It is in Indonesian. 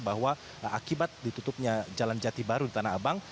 bahwa akibat ditutupnya jalan jati baru di tanah abang